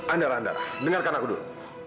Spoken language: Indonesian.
andalah andara dengarkan aku dulu